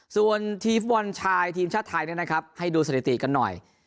ส่วนทีมฟุตบอลชายทีมชาติไทยนะครับให้ดูสถิติกันหน่อย